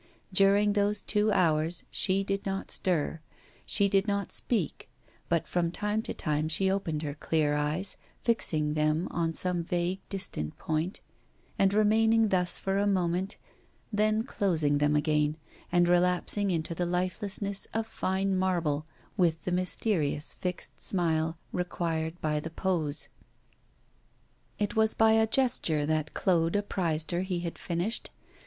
During those two hours she did not stir, she did not speak, but from time to time she opened her clear eyes, fixing them on some vague, distant point, and remaining thus for a moment, then closing them again, and relapsing into the lifelessness of fine marble, with the mysterious fixed smile required by the pose. It was by a gesture that Claude apprized her he had finished.